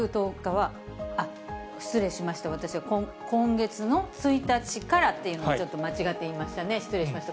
失礼しました、私、今月の１日からというのをちょっと間違って言いましたね、失礼しました。